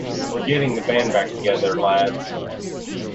We're getting the band back together lads!.